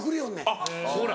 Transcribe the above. あっほら